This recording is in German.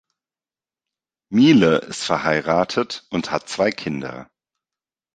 Miele ist verheiratet und hat zwei Kinder.